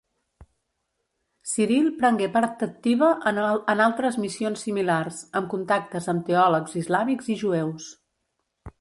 Ciril prengué part activa en altres missions similars, amb contactes amb teòlegs islàmics i jueus.